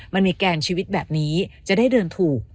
มันมีแกนชีวิตแบบนี้จะได้เดินถูก